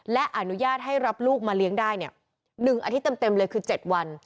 และอนุญาตให้รับลูกมาเลี้ยงได้๑อาทิตย์เต็มเลยคือ๗วัน